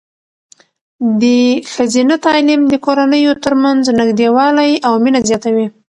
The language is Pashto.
د ښځینه تعلیم د کورنیو ترمنځ نږدېوالی او مینه زیاتوي.